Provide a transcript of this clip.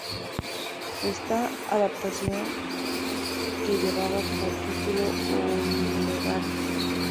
Esta adaptación, que llevaba por título "Boulevard!